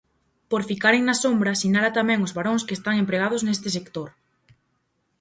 Por ficaren na sombra sinala tamén os varóns que están empregados neste sector.